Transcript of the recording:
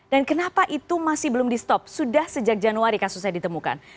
dan kenapa itu masih belum di stop sudah sejak januari kasusnya ditemukan